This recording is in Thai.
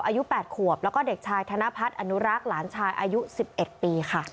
อายุ๘ขวบแล้วก็เด็กชายธนพัฒน์อนุรักษ์หลานชายอายุ๑๑ปีค่ะ